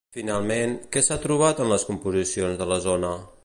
Finalment, què s'ha trobat en les composicions de la zona?